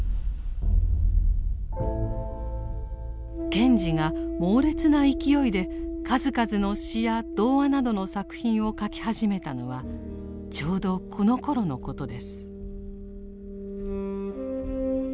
賢治が猛烈な勢いで数々の詩や童話などの作品を書き始めたのはちょうどこのころのことです。